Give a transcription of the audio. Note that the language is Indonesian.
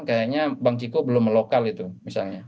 kayaknya bang ciko belum lokal itu misalnya